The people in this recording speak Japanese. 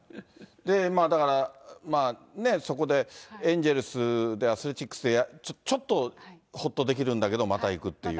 だからね、そこでエンゼルス、アスレチックスで、ちょっとほっとできるんだけど、また行くっていう。